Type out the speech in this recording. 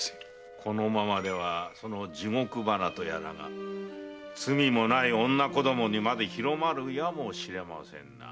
このままではその「地獄花」とやらが罪もない女子供にまで広まるやもしれませぬな。